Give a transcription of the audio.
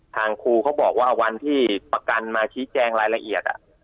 ทางครูเขาบอกว่าวันที่ประกันมาชี้แจงรายละเอียด